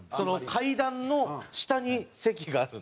階段の下に席があって。